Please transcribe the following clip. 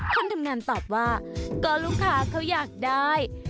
คนทำงานตอบว่าก็ลูกค้าเขาอยากได้